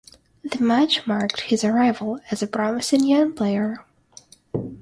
The match marked his arrival as a promising young player.